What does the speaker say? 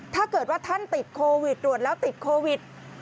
ถ้าเกิดว่าท่านติดโควิดตรวจแล้วติดโควิด